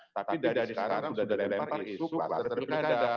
tapi dari sekarang sudah dilempar isu kluster pilkada